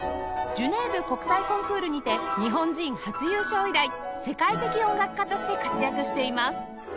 ジュネーブ国際コンクールにて日本人初優勝以来世界的音楽家として活躍しています